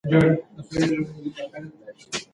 مثبته انرژي خپره کړئ.